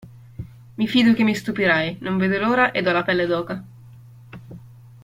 Mi fido che mi stupirai, non vedo l'ora ed ho la pelle d'oca.